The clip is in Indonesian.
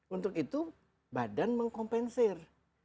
untuk itu badan mengkompensir